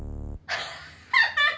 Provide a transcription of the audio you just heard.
ハハハハハ！